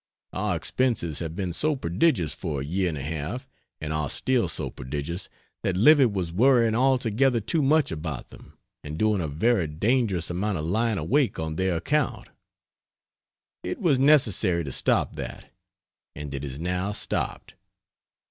Our expenses have been so prodigious for a year and a half, and are still so prodigious, that Livy was worrying altogether too much about them, and doing a very dangerous amount of lying awake on their account. It was necessary to stop that, and it is now stopped.